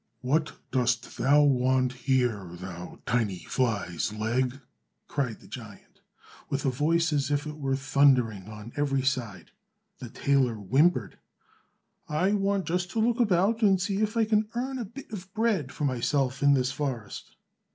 "What dost thou want here, thou tiny fly's leg?" cried the giant, with a voice as if it were thundering on every side. The tailor whimpered, "I want just to look about and see if I can earn a bit of bread for myself, in this forest."